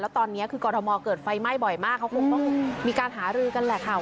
ตอนนี้คือกรทมเกิดไฟไหม้บ่อยมากเขาคงต้องมีการหารือกันแหละค่ะ